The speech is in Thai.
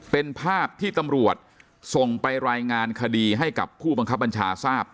เป็นภาพที่ตำรวจส่งไปรายงานคดีให้กับผู้บังคับบัญชาทราบ